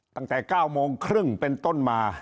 ตั้งแต่๙โมงครึ่งเป็นต้นมา